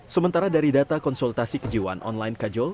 sementara dari data konsultasi kejiwaan online kajol